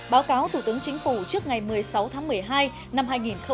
báo cáo thủ tướng chính phủ trước ngày một mươi sáu tháng một mươi hai năm hai nghìn hai mươi